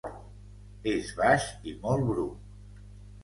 És baix i molt bru.